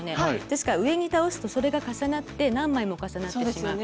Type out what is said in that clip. ですから上に倒すとそれが重なって何枚も重なってしまう。